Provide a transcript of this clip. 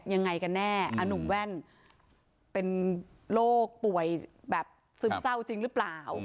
ยังไงกันแน่อหนุ่มแว่นเป็นโรคป่วยแบบซึมเศร้าจริงหรือเปล่า